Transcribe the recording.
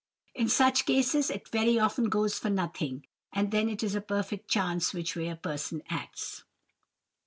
In such cases it very often goes for nothing, and then it is a perfect chance which way a person acts.